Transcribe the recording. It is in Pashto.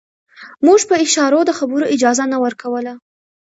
موږ په اشارو د خبرو اجازه نه ورکوله.